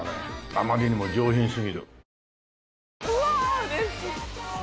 あまりにも上品すぎる。